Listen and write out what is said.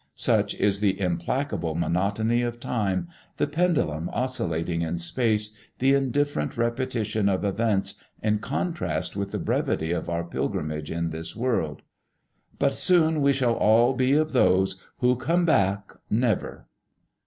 Such is the implacable monotony of time, the pendulum oscillating in space, the indifferent repetition of events, in contrast with the brevity of our pilgrimage in this world. "But soon we all shall be of those Who come back never!"